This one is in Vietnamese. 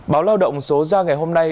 báo lao động số ra ngày hôm nay